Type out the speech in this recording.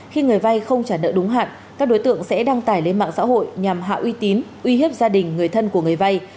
khi người vay không trả nợ đúng hạn các đối tượng sẽ đăng tải lên mạng xã hội nhằm hạ uy tín uy hiếp gia đình người thân của người vay